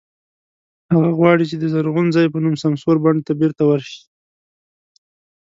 هغه غواړي چې د "زرغون ځای" په نوم سمسور بڼ ته بېرته ورشي.